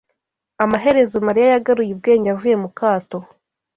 Amaherezo, Mariya yagaruye ubwenge avuye mukato